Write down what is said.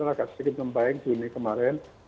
agak sedikit membaik juni kemarin